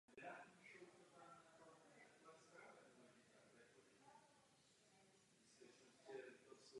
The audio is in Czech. Do jeho manželství se narodilo jedno dítě.